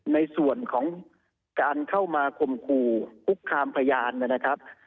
ในส่วนของการเข้ามาข่มขู่คุกคามพยานนะครับ